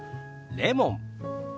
レモン。